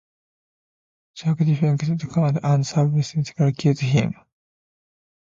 Jake defeats Khan and subsequently kills him.